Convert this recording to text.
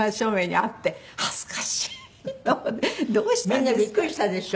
みんなびっくりしたでしょ？